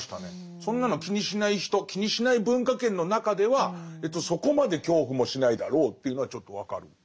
そんなの気にしない人気にしない文化圏の中ではそこまで恐怖もしないだろうというのはちょっと分かる。